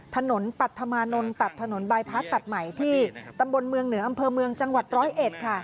ถนนปัธมานนท์ตัดถนนบายพลาสตัดใหม่ที่ตำบลเมืองเหนืออำเภอเมืองจังหวัดร้อยเอ็ดค่ะ